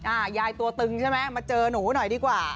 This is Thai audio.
ยายตัวตึงใช่ไหมมาเจอหนูหน่อยดีกว่า